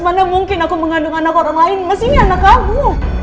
mana mungkin aku mengandung anak orang lain mas ini anak kamu